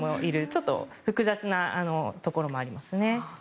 ちょっと複雑なところもありますね。